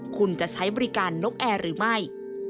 คุณจะใช้บริการนกแอร์หรือไม่